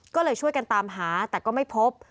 ก็เลยช่วยกันตามหาแต่ก็ไม่พบ